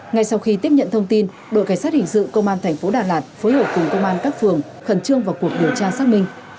ngay sau khi tiếp nhận thông tin đội cảnh sát hình sự công an thành phố đà lạt phối hợp cùng công an các phường khẩn trương vào cuộc điều tra xác minh